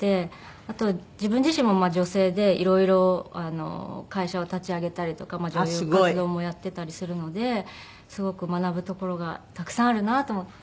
あと自分自身も女性でいろいろあの会社を立ち上げたりとか女優活動もやってたりするのですごく学ぶところがたくさんあるなと思って。